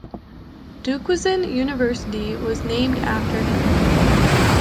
Duquesne University was named after him.